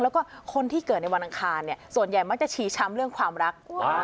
แล้วก็คนที่เกิดในวันอังคารเนี่ยส่วนใหญ่มักจะชี้ช้ำเรื่องความรัก